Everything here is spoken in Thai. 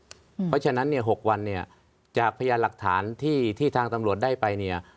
เพราะฉะนั้นเนี่ย๖วันเนี่ยจากพยานหลักฐานที่ทางตำรวจได้ไปเนี่ย